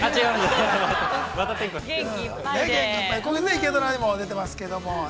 ◆「イケドラ」でも出てますけども。